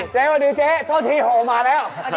แจ๊วันดีเจ๊โทษที่โหดออกมาแล้ว